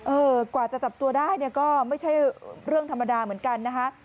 กว่าจะจับตัวได้เนี่ยก็ไม่ใช่เรื่องธรรมดาเหมือนกันนะคะ